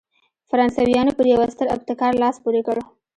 فرانسویانو پر یوه ستر ابتکار لاس پورې کړ.